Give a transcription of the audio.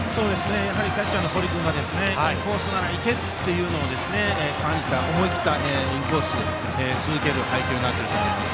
キャッチャーの堀君がこのコースならいけると感じて思い切ったインコースを続ける配球になっていると思います。